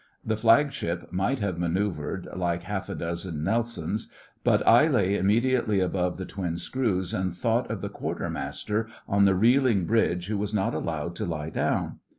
The Flagship might have manœuvred like half a dozen Nelsons, but I lay immediately above the twin screws and thought of the Quartermaster on the reeling bridge who was not allowed to lie down.